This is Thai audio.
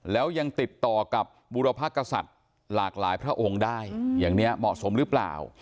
แล้วยังติดต่อกับบุรพกษัตริย์หลากหลายพระองค์ได้อย่างนี้เหมาะสมหรือเปล่า